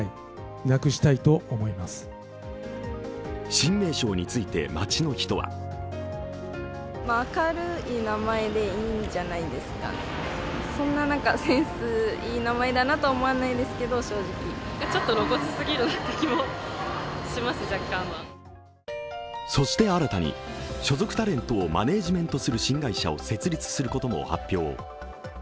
新名称について街の人はそして、新たに所属タレントをマネジメントする新会社を設立することも発表。